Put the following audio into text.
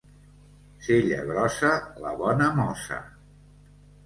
Cella grossa, la bona mossa.